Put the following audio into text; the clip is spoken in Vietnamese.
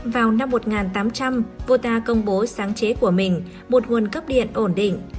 vào năm một nghìn tám trăm linh volta công bố sáng chế của mình một nguồn cấp điện ổn định